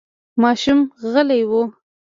ماشوم غلی و.